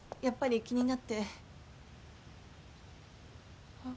やっぱり気になって。